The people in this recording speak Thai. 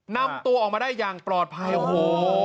นำตัวออกมาได้อย่างปลอดภัยโอ้โห